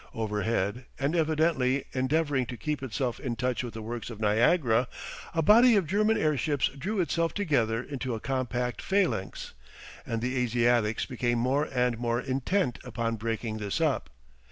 Overhead, and evidently endeavouring to keep itself in touch with the works of Niagara, a body of German airships drew itself together into a compact phalanx, and the Asiatics became more and more intent upon breaking this up.